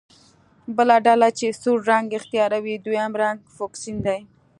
بله ډله چې سور رنګ اختیاروي دویم رنګ فوکسین دی.